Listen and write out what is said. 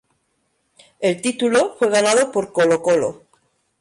El título fue ganado por Colo-Colo.